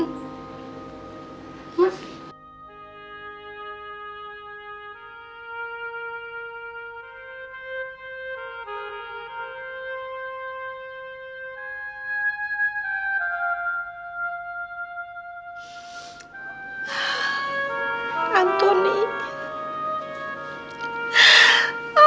tapi dia selalu menghukumnya